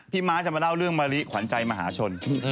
พี่มาจะล้าเรื่องมาริขวัญใจมหาชล